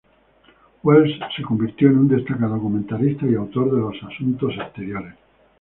Welles se convirtió en un destacado comentarista y autor de los asuntos exteriores.